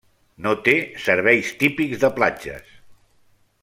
No té serveis típics de platges.